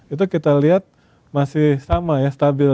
itu kita lihat masih sama ya stabil